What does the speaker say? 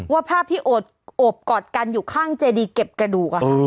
ว่าภาพที่โอบกอดกันอยู่ข้างเจดีเก็บกระดูก